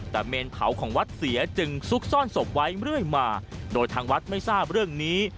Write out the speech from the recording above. แต่เมนเผาของวัดเสียจึงซุกซ่อนศพไว้เรื่อยมาโดยทางวัดไม่ทราบเรื่องนี้